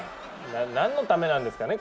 何のためなんですかね